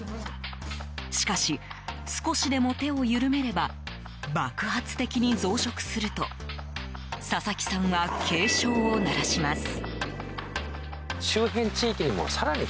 しかし、少しでも手を緩めれば爆発的に増殖すると佐々木さんは警鐘を鳴らします。